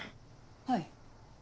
はい。